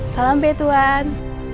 salam be tuhan